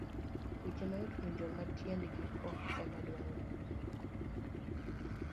Weche mayot winjo ma tiendgi ok ema dwarore.